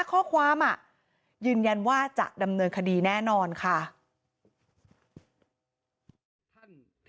ข้อความยืนยันว่าจะดำเนินคดีแน่นอนค่ะ